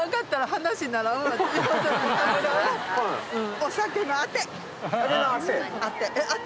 お酒のあて？